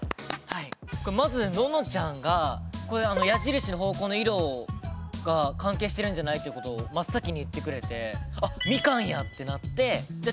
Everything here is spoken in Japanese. これまず暖乃ちゃんがこれは矢印の方向の色が関係してるんじゃない？ということを真っ先に言ってくれてあ「みかん」や！ってなってじゃあ